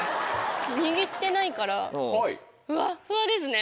握ってないからふわっふわですね。